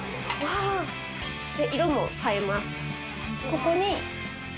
ここに。